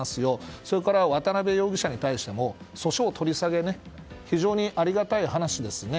それから渡辺容疑者についても訴訟を取り下げ非常にありがたい話ですよね。